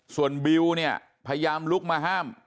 ส่วนบิวเนี่ยพยายามลุกมาห้าม